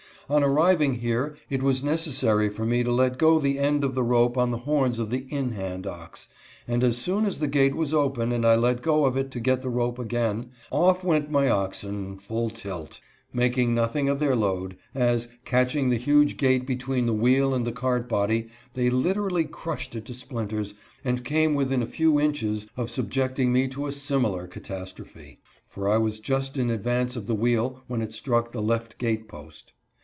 On arriving here it was necessary for me to let go the end of the rope on the horns of the " in hand ox ";• and as soon as the gate was open and I let go of it to get the rope again, off went my oxen, full tilt ; making nothing of their load, as, catching the huge gate between the wheel and the cart body, they literally crushed it to splinters and came within only a few inches of subjecting me to a similar catastrophe, for I was just in advance of the wheel when it struck the left gate post.